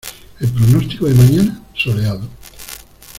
¿ El pronóstico de mañana? Soleado.